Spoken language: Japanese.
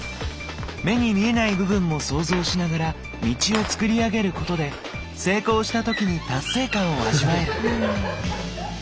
目に見えない部分も想像しながら道を作り上げることで成功した時に達成感を味わえる。